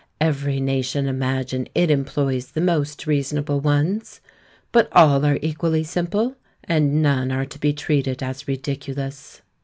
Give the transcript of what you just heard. Every nation imagines it employs the most reasonable ones; but all are equally simple, and none are to be treated as ridiculous.